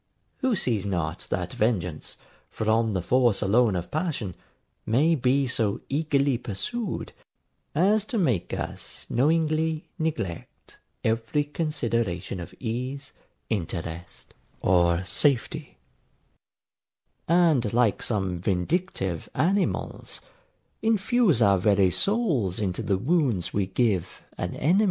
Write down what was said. Who sees not that vengeance, from the force alone of passion, may be so eagerly pursued, as to make us knowingly neglect every consideration of ease, interest, or safety; and, like some vindictive animals, infuse our very souls into the wounds we give an enemy; [Footnote: Animasque in vulnere ponunt.